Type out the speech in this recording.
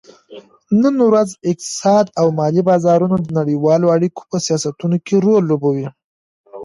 نن ورځ اقتصاد او مالي بازارونه د نړیوالو اړیکو په سیاستونو کې رول لوبوي